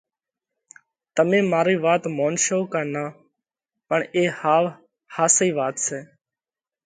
تمي مارئي وات مونشو ڪا نان پڻ اي ۿاوَ ۿاسئي وات سئہ